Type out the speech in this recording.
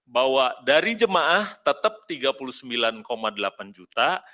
bahwa dari jemaah tetap tiga puluh sembilan delapan juta